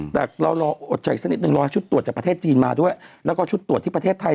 แต่เรารออดใจอีกสักนิดนึงรอชุดตรวจจากประเทศจีนมาด้วยแล้วก็ชุดตรวจที่ประเทศไทย